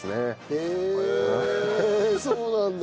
へえそうなんだ。